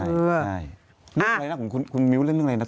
ใช่เรื่องอะไรนะของคุณมิ้วเล่นเรื่องอะไรนะ